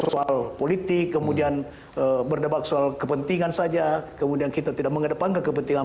soal politik kemudian berdebat soal kepentingan saja kemudian kita tidak mengedepankan kepentingan